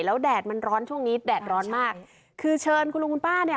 แล้วแดดมันร้อนช่วงนี้แดดร้อนมากคือเชิญคุณลุงคุณป้าเนี่ย